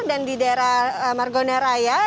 dan di daerah margoneraya